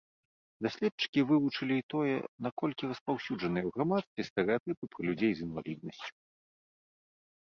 Даследчыкі вывучылі і тое, наколькі распаўсюджаныя ў грамадстве стэрэатыпы пра людзей з інваліднасцю.